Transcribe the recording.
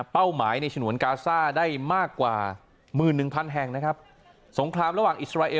เป้าหมายในฉนวนกาซ่าได้มากกว่า๑๑๐๐๐